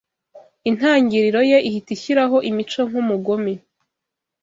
Intangiriro ye ihita ishyiraho imico nkumugome